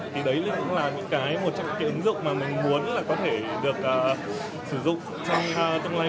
thì đấy cũng là những cái một trong những cái ứng dụng mà mình muốn là có thể được sử dụng trong tương lai